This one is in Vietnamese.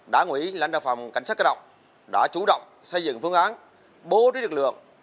đảng quỹ lãnh đạo phòng cảnh sát cơ động đã chủ động xây dựng phương án bố trí lực lượng